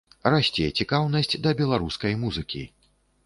Расце цікаўнасць да беларускай музыкі.